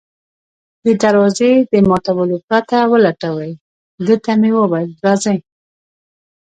د دروازې د ماتولو پرته ولټوي، ده ته مې وویل: راځئ.